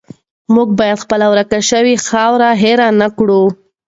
موږ باید خپله ورکه شوې خاوره هیره نه کړو.